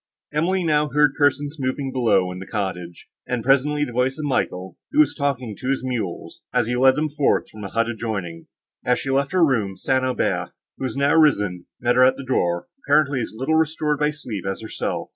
Emily now heard persons moving below in the cottage, and presently the voice of Michael, who was talking to his mules, as he led them forth from a hut adjoining. As she left her room, St. Aubert, who was now risen, met her at the door, apparently as little restored by sleep as herself.